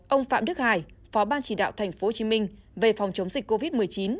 ông phạm đức hải phó ban chỉ đạo tp hcm về phòng chống dịch covid một mươi chín